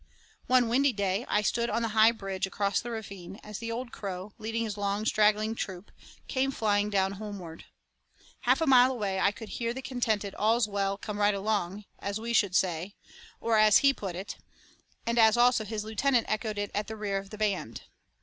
One windy day I stood on the high bridge across the ravine, as the old crow, heading his long, straggling troop, came flying down homeward. Half a mile away I could hear the contented 'All's well, come right along!' as we should say, or as he put it, and as also his lieutenant echoed it at the rear of the band.